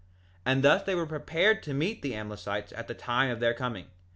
2:13 And thus they were prepared to meet the Amlicites at the time of their coming.